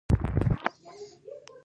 د زړه حمله څنګه راځي؟